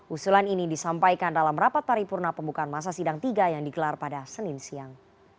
usulan ini disampaikan dalam rapat paripurna pembukaan masa sidang tiga yang digelar pada senin siang